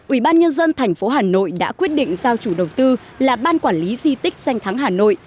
ủy ban nhân dân thành phố hà nội đã quyết định giao chủ đầu tư là ban quản lý di tích danh thắng hà nội